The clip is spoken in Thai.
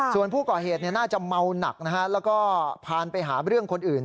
ส่วนผู้ก่อเหตุน่าจะเมาหนักนะฮะแล้วก็พาไปหาเรื่องคนอื่น